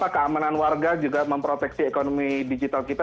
keamanan warga juga memproteksi ekonomi digital kita